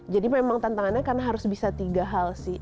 jadi memang tantangannya kan harus bisa tiga hal sih